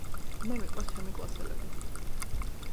მე მიყვარს ჩემი კლასელები